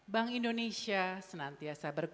bank indonesia senantiasa bergerak